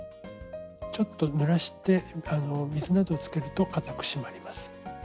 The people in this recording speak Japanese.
ちょっとぬらして水などつけるとかたく締まります。